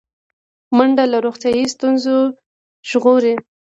منډه له روغتیایي ستونزو ژغوري